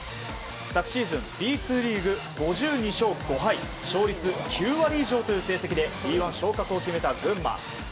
昨シーズンＢ２リーグ５２勝５敗勝率９割以上という成績でＢ１昇格を決めた群馬。